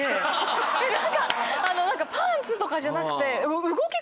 パンツとかじゃなくて。